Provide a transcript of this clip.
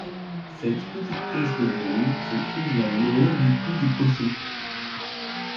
Cette petite pièce de viande se trouve dans le haut du cou du cochon.